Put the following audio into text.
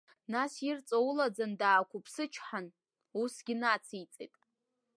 Нас ирҵаулаӡан даақуԥсычҳан, усгьы нациҵеит…